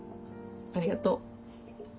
ありがとう。